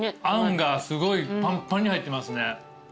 あんがすごいパンパンに入ってますね。